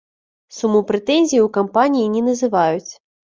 Суму прэтэнзій у кампаніі не называюць.